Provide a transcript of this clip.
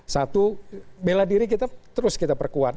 satu bela diri kita terus kita perkuat